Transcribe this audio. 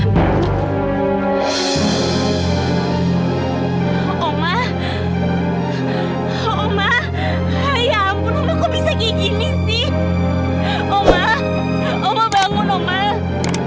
hai om ah hai om ah hai ya ampun aku bisa gini sih om ah om bangun omang